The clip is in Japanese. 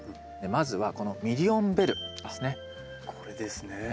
まずはこのミリオンベルですね。